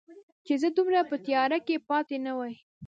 چې زه دومره په تیاره کې پاتې نه وای